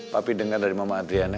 papi denger dari mama adriana